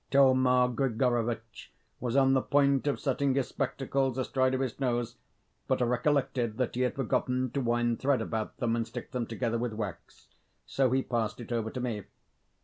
Thoma Grigorovitch was on the point of setting his spectacles astride of his nose, but recollected that he had forgotten to wind thread about them and stick them together with wax, so he passed it over to me.